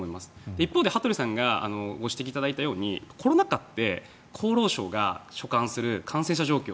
一方で羽鳥さんがご指摘いただいたようにコロナ禍って厚労省が所管する感染者状況